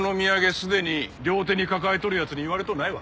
すでに両手に抱えとる奴に言われとうないわ。